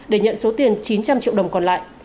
để nhận số tiền chín trăm linh triệu đồng còn lại